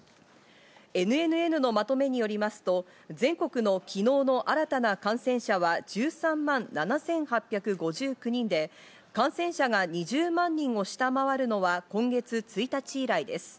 ＮＮＮのまとめによりますと全国の昨日の新たな感染者は１３万７８５９人で、感染者が２０万人を下回るのは今月１日以来です。